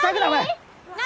何？